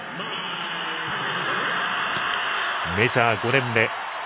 メジャー５年目。